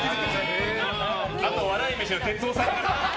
あと笑い飯の哲夫さんかな。